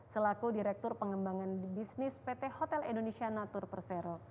selaku direktur pengembangan bisnis pt hotel indonesia natur persero